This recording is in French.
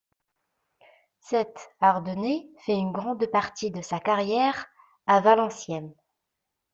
Cet ardennais fait une grande partie de sa carrière à Valenciennes.